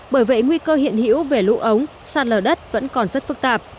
bởi vậy nguy cơ hiện hữu về lũ ống sạt lở đất vẫn còn rất phức tạp